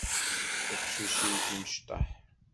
D tiqcicin timecṭaḥ.